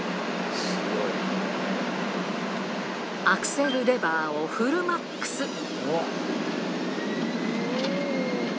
アクセルレバーをフルマックス。